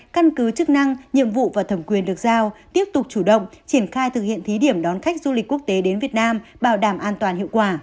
căn cứ chức năng nhiệm vụ và thẩm quyền được giao tiếp tục chủ động triển khai thực hiện thí điểm đón khách du lịch quốc tế đến việt nam bảo đảm an toàn hiệu quả